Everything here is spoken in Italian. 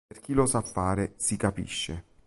Per chi la sa fare, si capisce.